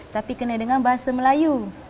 tapi kena dengan bahasa melayu